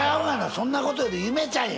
そんなことより夢ちゃんや！